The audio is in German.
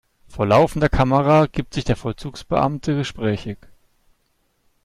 Vor laufender Kamera gibt sich der Vollzugsbeamte gesprächig.